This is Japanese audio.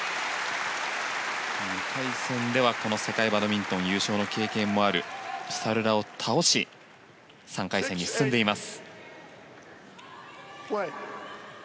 ２回戦では世界バドミントンの優勝経験もあるプサルラを倒し３回戦に進んでいます。